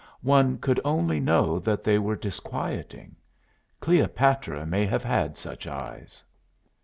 One could only know that they were disquieting. Cleopatra may have had such eyes.